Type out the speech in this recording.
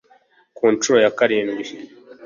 ku ncuro ya karindwi